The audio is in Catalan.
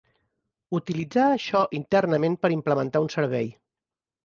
Utilitzar això internament per implementar un servei.